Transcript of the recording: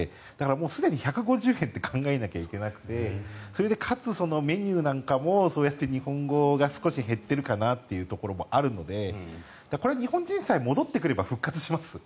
もうすでに１５０円って考えなきゃいけなくてそれで、かつメニューなんかも日本語が少し減っているかなというところもあるのでこれ、日本人さえ戻ってくれば復活します。